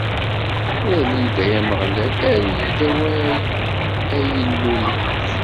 Wali-d, ay Ameɣlal, err-iyi-d awal, ay Illu-iw!